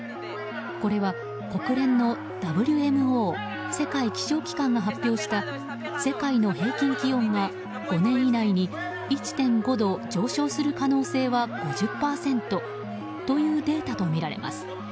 これは国連のＷＭＯ・世界気象機関が発表した世界の平均気温が５年以内に１．５度上昇する可能性は５０％というデータとみられます。